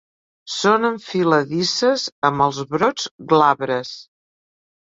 Són enfiladisses amb els brots glabres.